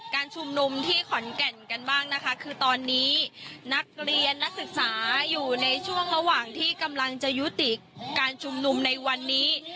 การชุมนุมที่ขอนแก่นกันบ้างนะคะคือตอนนี้นักเรียนนักศึกษาอยู่ในช่วงระหว่างที่กำลังจะยุติการชุมนุมในวันนี้